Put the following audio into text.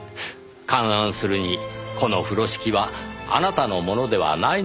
勘案するにこの風呂敷はあなたのものではないのではないか。